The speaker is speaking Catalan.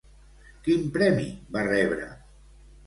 Quin premi va rebre?